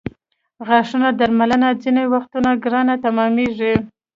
د غاښونو درملنه ځینې وختونه ګرانه تمامېږي.